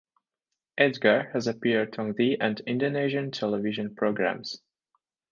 Edgar has appeared on the and Indonesian television programs.